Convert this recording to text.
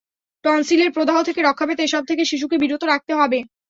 টনসিলের প্রদাহ থেকে রক্ষা পেতে এসব থেকে শিশুকে বিরত রাখতে হবে।